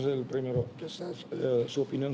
yang pertama mungkin soal perjadian pemain